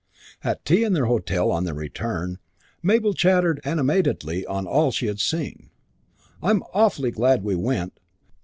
At tea in their hotel on their return Mabel chattered animatedly on all they had seen. "I'm awfully glad we went.